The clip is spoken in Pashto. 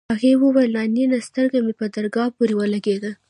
هغې وويل نانيه سترگه مې په درگاه پورې ولگېده.